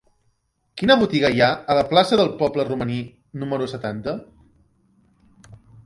Quina botiga hi ha a la plaça del Poble Romaní número setanta?